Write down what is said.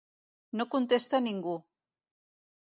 No contestà ningú